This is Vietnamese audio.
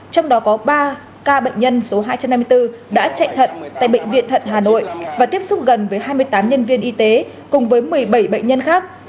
trong đó có ba ca bệnh nhân số hai trăm năm mươi bốn đã chạy thận tại bệnh viện thận hà nội và tiếp xúc gần với hai mươi tám nhân viên y tế cùng với một mươi bảy bệnh nhân khác